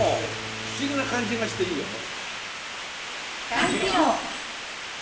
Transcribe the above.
不思議な感じがしていいよね。